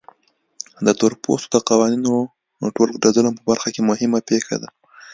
د تورپوستو د قوانینو ټولګه د ظلم په برخه کې مهمه پېښه ده.